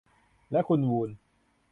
และคุณวูน